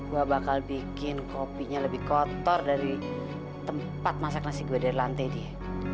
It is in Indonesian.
gue bakal bikin kopinya lebih kotor dari tempat masak nasi gue dari lantai dia